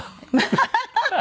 ハハハハ。